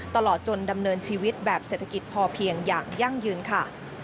ตลอดจนดำเนินชีวิตแบบเศรษฐกิจพอเพียงอย่างยั่งยืนค่ะ